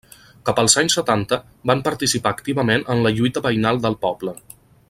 Cap als anys setanta van participar activament en la lluita veïnal del poble.